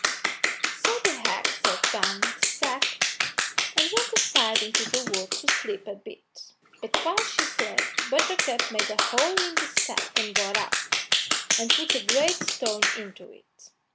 So the hag set down the sack, and went aside into the wood to sleep a bit, but while she slept Buttercup made a hole in the sack and got out, and put a great stone into it.